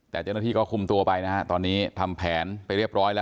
แต่เจ้าหน้าที่ก็คุมตัวไปนะฮะตอนนี้ทำแผนไปเรียบร้อยแล้ว